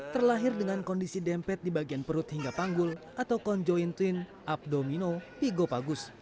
terlahir dengan kondisi dempet di bagian perut hingga panggul atau konjoin twin abdomino pigopagus